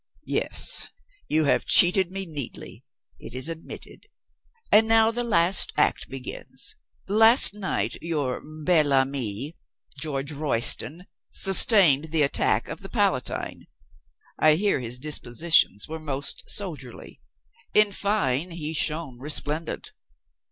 "Yes, you have cheated me neatly. It is admitted. And now the last act begins. Last night your bel ami, George Royston, sustained the attack of the Palatine. I hear his dispositions were most soldier ly. In fine, he shone resplendent.